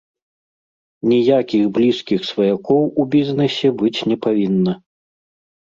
Ніякіх блізкіх сваякоў у бізнэсе быць не павінна.